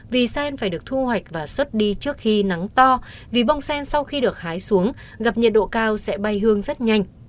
vì sen phải được thu hoạch và xuất đi trước khi nắng to vì bông sen sau khi được hái xuống gặp nhiệt độ cao sẽ bay hương rất nhanh